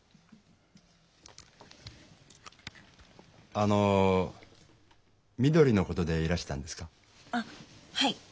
あのみどりのことでいらしたんですか？